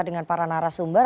dengan para narasumber